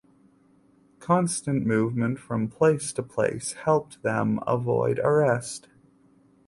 Constant movement from place to place helped them avoid arrest.